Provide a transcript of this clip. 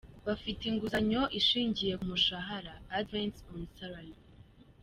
Bafite inguzanyo ishingiye ku mushamara “Advance on Salary”.